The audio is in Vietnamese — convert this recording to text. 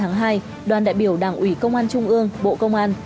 sáng ngày ba hai đoàn đại biểu đảng ủy công an trung ương bộ công an